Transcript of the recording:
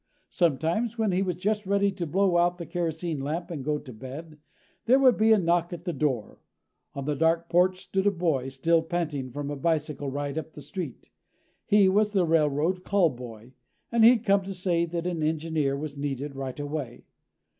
Sometimes, when he was just ready to blow out the kerosene lamp and go to bed, there would be a knock at the door. On the dark porch stood a boy, still panting from a bicycle ride up the street. He was the railroad call boy, and he'd come to say that an engineer was needed right away.